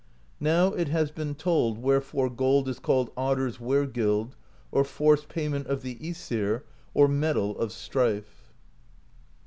Now it has been told wherefore gold is called Otter's Wergild, or Forced Payment of the iEsir, or Metal of Strife.